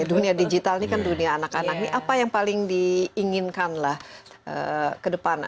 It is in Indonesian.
dunia digital ini kan dunia anak anak apa yang paling diinginkanlah ke depan